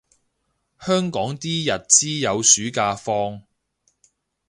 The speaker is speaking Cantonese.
香港啲日資有暑假放